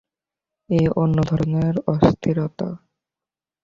এ অন্য ধরনের অস্থিরতা।